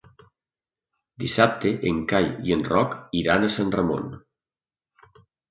Dissabte en Cai i en Roc iran a Sant Ramon.